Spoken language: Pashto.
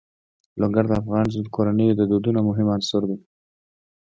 لوگر د افغان کورنیو د دودونو مهم عنصر دی.